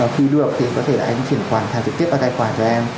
khi được thì có thể là anh chuyển khoản theo trực tiếp vào tài khoản cho em